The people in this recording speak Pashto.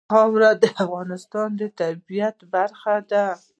خاوره د افغانستان د طبیعت برخه ده.